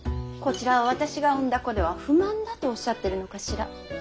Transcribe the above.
こちらは私が産んだ子では不満だとおっしゃってるのかしら。